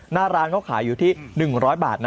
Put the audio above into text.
หน้าร้านเขาขายอยู่ที่๑๐๐บาทนะ